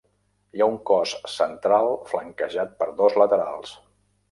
Hi ha un cos central flanquejat per dos laterals.